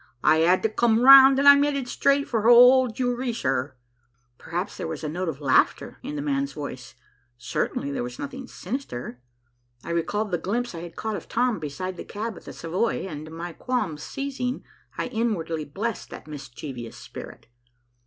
"I 'ad to come round, I'm 'eaded straight for the h'old Jewry, sir." Perhaps there was a note of laughter in the man's voice, certainly there was nothing sinister. I recalled the glimpse I had caught of Tom beside the cab at the Savoy, and, my qualms ceasing, I inwardly blessed that mischievous spirit.